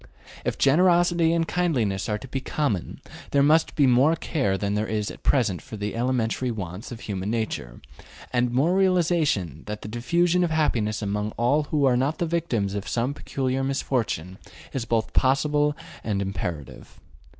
If generosity and kindliness are to be common, there must be more care than there is at present for the elementary wants of human nature, and more realization that the diffusion of happiness among all who are not the victims of some peculiar misfortune is both possible and imperative.